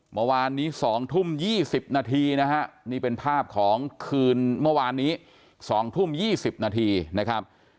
เมื่อวานนี้๒ทุ่ม๒๐นาทีนะฮะนี่เป็นภาพของคืนเมื่อวานนี้๒ทุ่ม๒๐นาทีนะครับ